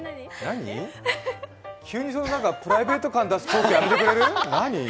急にプライベート感出すのやめてくれる？